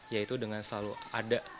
yaitu dengan selalu ada